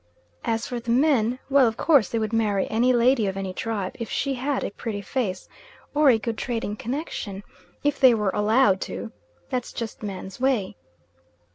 As for the men, well of course they would marry any lady of any tribe, if she had a pretty face, or a good trading connection, if they were allowed to: that's just man's way.